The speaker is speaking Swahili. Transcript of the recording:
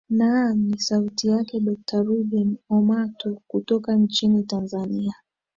naam ni sauti yake dokta ruben omato kutoka nchini tanzania